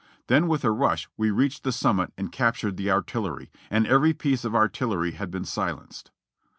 Then with a rush we reached the sunmiit and captured the artillery, and every piece of artillery had been silenced.